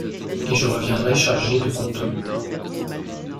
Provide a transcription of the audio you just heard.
Et je reviendrai chargé de coton...